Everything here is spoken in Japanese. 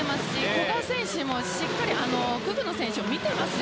古賀選手もしっかりクグノ選手を見ています。